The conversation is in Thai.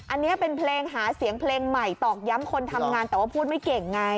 อันนี้เป็นเพลงหาเสียงเพลงใหม่ตอกย้ำคนทำงานแต่ว่าพูดไม่เก่งไง